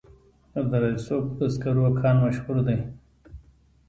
د دره صوف د سکرو کان مشهور دی